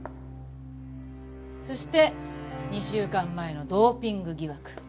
そして２週間前のドーピング疑惑。